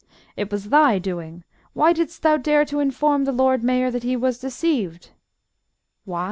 "It was thy doing. Why didst thou dare to inform the Lord Mayor that he was deceived?" "Why?